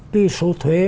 tuy số thuế